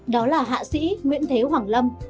đó là hạ sĩ nguyễn thế hoàng lâm